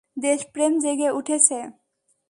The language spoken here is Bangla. দেশপ্রেম জেগে উঠেছে?